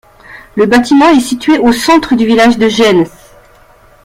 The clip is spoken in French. Le bâtiment est situé au centre du village de Gennes.